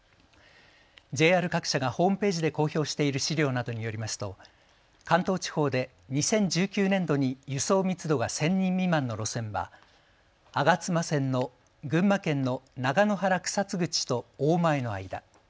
ＪＲ各社がホームページで公表している資料などによりますと関東地方で２０１９年度に輸送密度が１０００人未満の路線は吾妻線の群馬県の長野原草津口と大前の間。